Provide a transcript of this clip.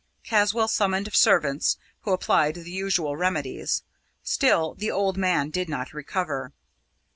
Caswall summoned servants, who applied the usual remedies. Still the old man did not recover.